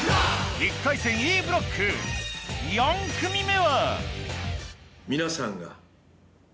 １回戦Ｅブロック４組目は私。